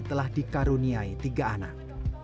telah dikaruniai tiga anak